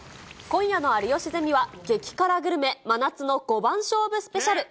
今夜の有吉ゼミは、激辛グルメ真夏の５番勝負スペシャル。